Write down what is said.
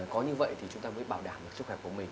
có như vậy thì chúng ta mới bảo đảm được sức khỏe của mình